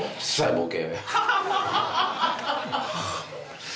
ボケ。